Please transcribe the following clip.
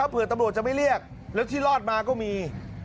เผื่อตำรวจจะไม่เรียกแล้วที่รอดมาก็มี